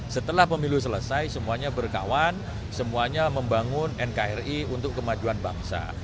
setelah pemilu selesai semuanya berkawan semuanya membangun nkri untuk kemajuan bangsa